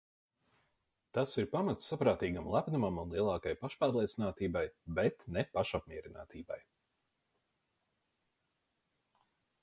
Tas ir pamats saprātīgam lepnumam un lielākai pašpārliecinātībai, bet ne pašapmierinātībai.